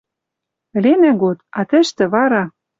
Ӹленӓ год, а тӹштӹ вара